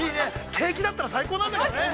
景気だったら最高なんだけどね。